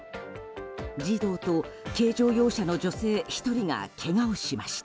児童と軽乗用車の女性１人がけがをしました。